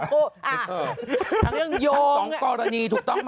ทั้งเรื่องโยงต้องกรณีถูกต้องไหม